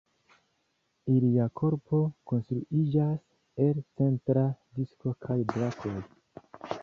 Ilia korpo konstruiĝas el centra disko kaj brakoj.